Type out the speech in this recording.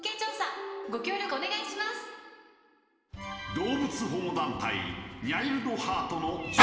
動物保護団体